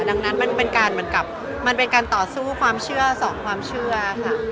ดังนั้นมันเป็นการเหมือนกับมันเป็นการต่อสู้ความเชื่อสองความเชื่อค่ะ